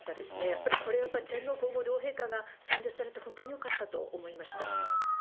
やっぱりこれは、天皇皇后両陛下が参列されて本当によかったと思いました。